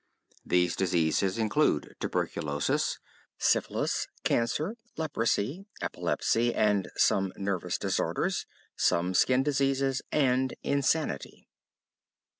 These diseases include: tuberculosis, syphilis, cancer, leprosy, epilepsy and some nervous disorders, some skin diseases and insanity.